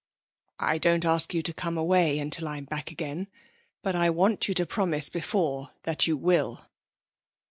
'I don't ask you to come away until I'm back again. But I want you to promise before that you will.'